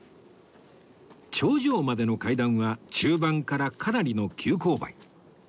頂上までの階段は中盤からかなりの急勾配